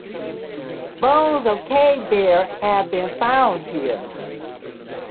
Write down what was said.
Bones of cave bear has been found here.